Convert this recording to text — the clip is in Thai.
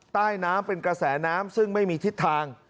ใต้น้ำเป็นกระแสน้ำซึ่งไม่มีทิศทาง